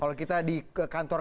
kalau kita di kantor